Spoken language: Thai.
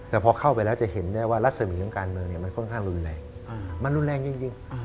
แต่พอเข้าไปแล้วจะเห็นได้ว่ารัฐเสมอเรื่องการเมืองค่อนข้างรุนแรก